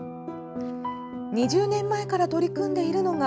２０年前から取り組んでいるのが、